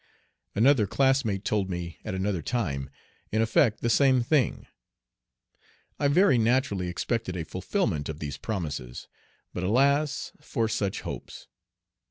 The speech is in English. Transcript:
Another classmate told me, at another time, in effect the same thing. I very naturally expected a fulfilment of these promises, but alas! for such hopes!